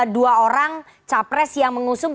dua orang capres yang mengusung